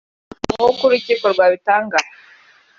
nk’uko urukiko rwabitangaje